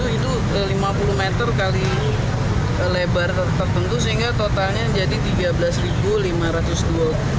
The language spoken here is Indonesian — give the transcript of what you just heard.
itu lima puluh meter kali lebar tertentu sehingga totalnya jadi tiga belas lima ratus dua puluh